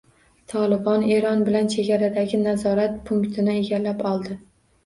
«Tolibon» Eron bilan chegaradagi nazorat punktini egallab oldi